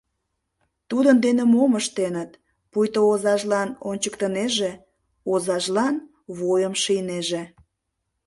Тудын дене мом ыштеныт, пуйто озажлан ончыктынеже, озажлан вуйым шийнеже.